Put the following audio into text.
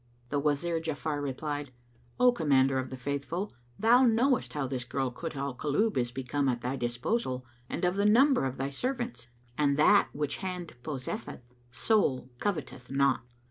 The Wazir Ja'afar replied, "O Commander of the Faithful, thou knowest how this girl Kut al Kulub is become at thy disposal and of the number of thy servants, and that which hand possesseth soul coveteth not.